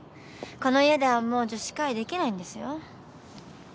この家ではもう女子会できないんですよ？